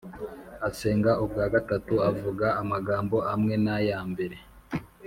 asenga ubwa gatatu avuga amagambo amwe n’aya mbere